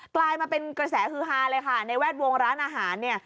กลายมาเป็นกระแสฮือฮาเลยค่ะในแวดวงร้านอาหารเนี่ย